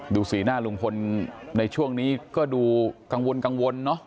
ดูสีหน้าลุงพลในช่วงนี้ก็ดูกังวลกังวลเนอะ